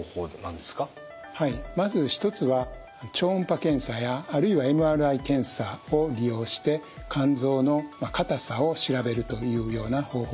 はいまず１つは超音波検査やあるいはＭＲＩ検査を利用して肝臓の硬さを調べるというような方法があります。